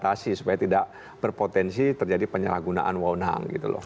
makanya kita perlu untuk membatasi supaya tidak berpotensi terjadi penyalahgunaan wawonan gitu loh